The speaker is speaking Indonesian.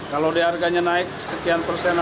kalau di harganya naik sekian persen